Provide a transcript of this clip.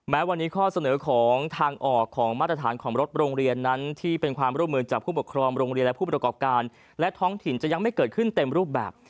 แม้วันนี้ข้อเสนอของทางออกของมาตรฐานของรถโรงเรียนนั้นที่เป็นความร่วมมือจากผู้ปกครองโรงเรียนและผู้ประกอบการและท้องถิ่นจะยังไม่เกิดขึ้นเต็มรูปแบบ